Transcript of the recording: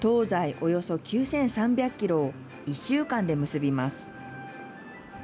およそ９３００ｋｍを１週間で結びます。